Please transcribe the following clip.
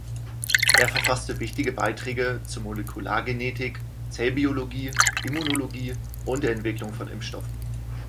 Er verfasste wichtige Beiträge zu Molekulargenetik, Zellbiologie, Immunologie und der Entwicklung von Impfstoffen.